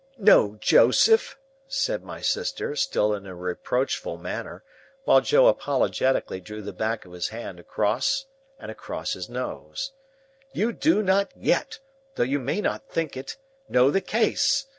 "No, Joseph," said my sister, still in a reproachful manner, while Joe apologetically drew the back of his hand across and across his nose, "you do not yet—though you may not think it—know the case.